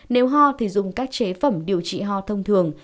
nếu ho thì dùng các chế phẩm điều trị ho thông thường